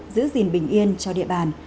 giữ gìn bình yên cho địa bàn